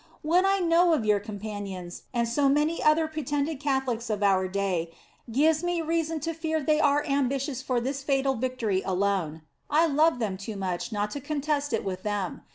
What I know of your companions, and so many other pretended Catholics of our day, gives me reason to fear they are ambitious for this fatal victory alone. I love them too much not to contest it with them.